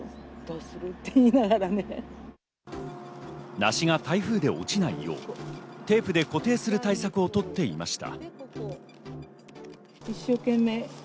梨が台風で落ちないよう、テープで固定する対策を取っていました。